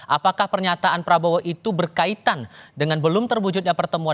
apakah pernyataan prabowo itu berkaitan dengan belum terwujudnya pertemuan